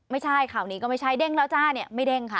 ไม่ใช่ข่าวนี้ก็ไม่ใช่เด้งแล้วจ้าเนี่ยไม่เด้งค่ะ